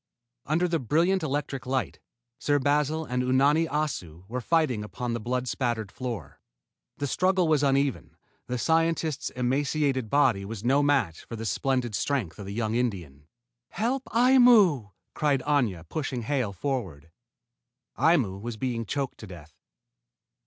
Under the brilliant electric light, Sir Basil and Unani Assu were fighting upon the blood spattered floor. The struggle was uneven: the scientist's emaciated body was no match for the splendid strength of the young Indian. "Help Aimu!" cried Aña, pushing Hale forward. Aimu was being choked to death.